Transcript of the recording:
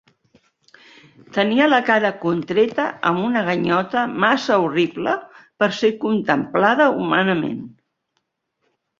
Tenia la cara contreta amb una ganyota massa horrible per ser contemplada humanament.